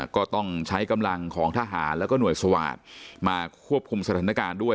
ก็ต้องใช้กำลังของทหารแล้วก็หน่วยสวาสตร์มาควบคุมสถานการณ์ด้วย